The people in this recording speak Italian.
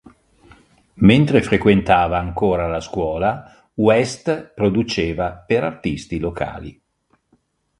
Mentre frequentava ancora la scuola, West produceva per artisti locali.